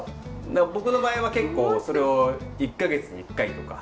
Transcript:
僕の場合は結構それを１か月に１回とか。